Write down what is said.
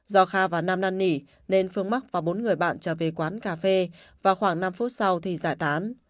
do kha và nam năn nỉ nên phương mắc và bốn người bạn trở về quán cà phê và khoảng năm phút sau thì giải tán